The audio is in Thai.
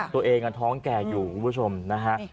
ตัวเองท้องแก่อยู่คุณผู้ชมนะฮะ